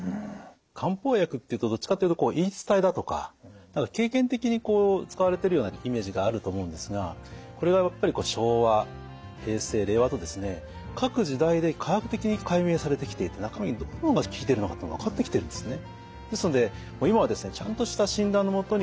漢方薬っていうとどっちかっていうと言い伝えだとか経験的にこう使われているようなイメージがあると思うんですがこれがやっぱり昭和平成令和とですね各時代で科学的に解明されてきていて中身のどの部分が効いてるのかっていうのが分かってきてるんですね。